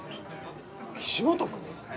岸本君？